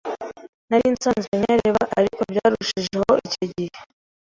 Narinsanzwe nyareba ariko byarushijeho icyo gihe.